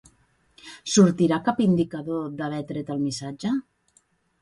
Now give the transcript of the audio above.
Sortirà cap indicador d'haver tret el missatge?